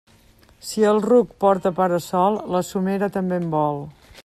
Si el ruc porta para-sol, la somera també en vol.